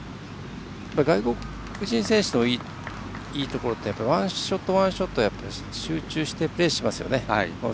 外国人選手のいいところというのはワンショット、ワンショット集中してプレーしますよね。